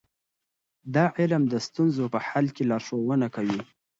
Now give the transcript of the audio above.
دا علم د ستونزو په حل کې لارښوونه کوي.